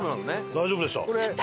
大丈夫でした。